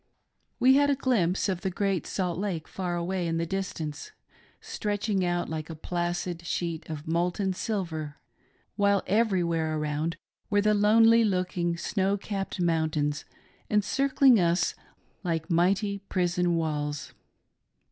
We had a glimpse of the Great Salt Lake far away in the distance, stretching out like a placid sheet of molten silver, while everywhere around were the lonely looking snow capped mountains, encircling us like mighty prison walls.